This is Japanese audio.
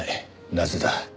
なぜだ？